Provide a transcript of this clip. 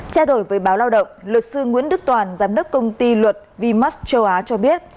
trao đổi với báo lao động luật sư nguyễn đức toàn giám đốc công ty luật vimax châu á cho biết